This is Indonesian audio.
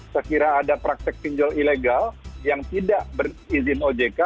sekiranya ada praktek pinjol ilegal yang tidak berizin ojk